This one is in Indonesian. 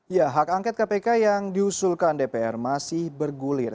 ya hak angket kpk yang diusulkan dpr masih bergulir